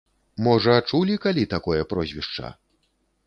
Можа, чулі калі такое прозвішча?